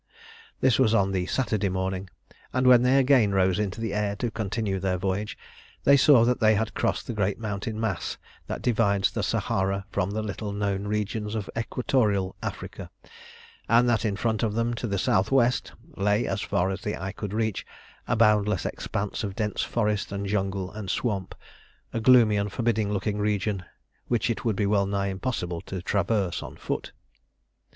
This was on the Saturday morning; and when they again rose into the air to continue their voyage, they saw that they had crossed the great mountain mass that divides the Sahara from the little known regions of Equatorial Africa, and that in front of them to the south west lay, as far as the eye could reach, a boundless expanse of dense forest and jungle and swamp, a gloomy and forbidding looking region which it would be well nigh impossible to traverse on foot.